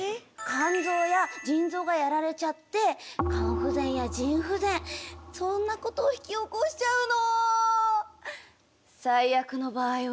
肝臓や腎臓がやられちゃって肝不全や腎不全そんなことを引き起こしちゃうの。